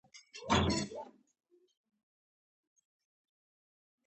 یعقوب بن لیث د پاچهۍ په وخت کې.